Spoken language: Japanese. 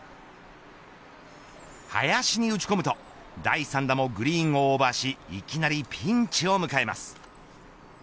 林に打ち込むと第３打もグリーンをオーバーしいきなりピンチを迎えます。